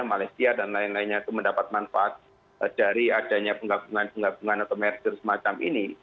malaysia dan lain lainnya itu mendapat manfaat dari adanya penggabungan penggabungan atau merger semacam ini